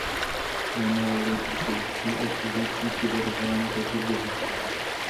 Manuel je proto zatčen a odsouzen k smrti za rouhání proti Bohu.